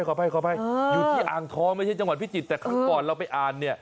ขออภัยขออภัยอยู่ที่อ่างทองไม่ใช่จังหวัดพิจิตรแต่ครั้งก่อนเราไปอ่านเนี่ย